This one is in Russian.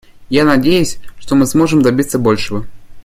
Я надеюсь, что мы сможем добиться большего.